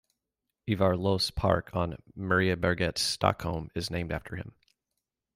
Ivar Los park on Mariaberget, Stockholm is named after him.